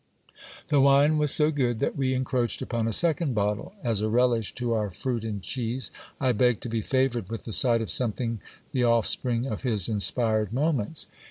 The wine was so good, that we encroached upon a second bottle. As a relish to our fruit and cheese, I begged to be favoured with the sight of something, the offspring of his inspired moments.